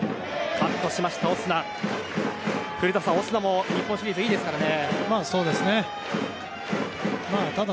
古田さん、オスナも日本シリーズいいですからね。